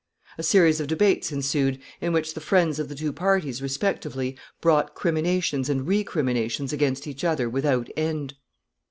A series of debates ensued, in which the friends of the two parties respectively brought criminations and recriminations against each other without end.